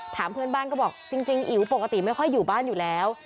เพื่อนบ้านก็บอกจริงอิ๋วปกติไม่ค่อยอยู่บ้านอยู่แล้ว